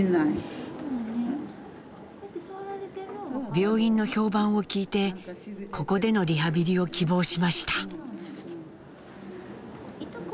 病院の評判を聞いてここでのリハビリを希望しました。